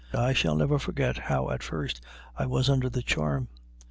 I shall never forget how at first I was under the charm.